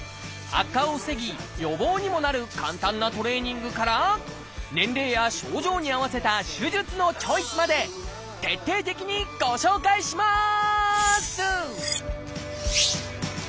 悪化を防ぎ予防にもなる簡単なトレーニングから年齢や症状に合わせた手術のチョイスまで徹底的にご紹介します！